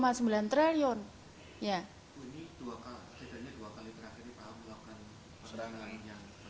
tidaknya dua kali terakhir ini pak ho melakukan perjalanan yang berbeda